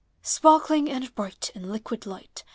Sparkling and bright in liquid light.